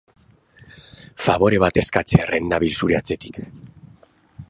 Fabore bat eskatzearren nabil zure atzetik.